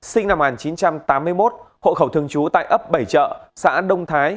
sinh năm một nghìn chín trăm tám mươi một hộ khẩu thường trú tại ấp bảy chợ xã đông thái